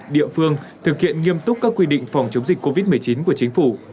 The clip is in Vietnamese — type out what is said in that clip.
địa phương thực hiện nghiêm túc các quy định phòng chống dịch covid một mươi chín của chính phủ